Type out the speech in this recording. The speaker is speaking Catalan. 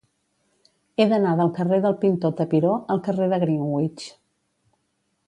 He d'anar del carrer del Pintor Tapiró al carrer de Greenwich.